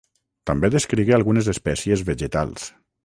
També descrigué algunes espècies vegetals.